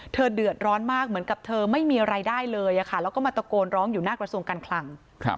เดือดร้อนมากเหมือนกับเธอไม่มีรายได้เลยแล้วก็มาตะโกนร้องอยู่หน้ากระทรวงการคลัง